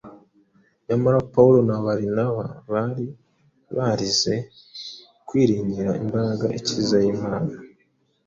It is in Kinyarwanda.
Nyamara Pawulo na Barinaba bari barize kwiringira imbaraga ikiza y’Imana.